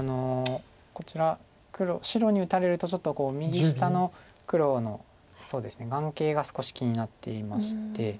こちら白に打たれるとちょっと右下の黒の眼形が少し気になっていまして。